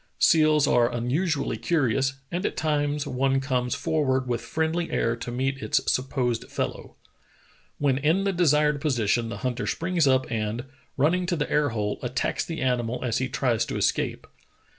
Seals are unusually curious, and at times one comes forward with friendly air to meet its supposed fellow. When in the desired position the hunter springs up and, running to the air hole, attacks the animal as he tries to escape.